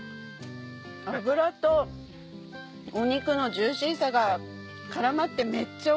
脂とお肉のジューシーさが絡まってめっちゃおいしい！